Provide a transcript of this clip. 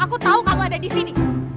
aku tau kamu ada disini